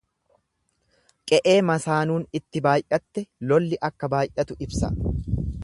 Qe'ee masaanuun itti baay'atte lolli akka baay'atu ibsa.